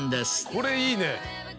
これいいね。